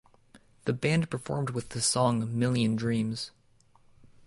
The band performed with the song "Million Dreams".